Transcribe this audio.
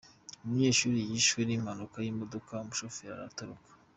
Umunyeshuri yishwe n’impanuka y’imodoka umushoferi aratoroka